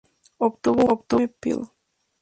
Obtuvo un M. Phil.